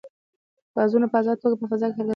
ګازونه په ازاده توګه په فضا کې حرکت کولی شي.